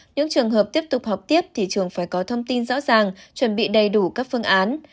những trường hợp tiếp tục học tiếp thì trường phải có thông tin rõ ràng chuẩn bị đầy đủ các phương án